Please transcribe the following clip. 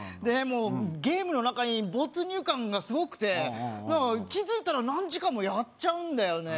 もうゲームの中に没入感がすごくて気づいたら何時間もやっちゃうんだよね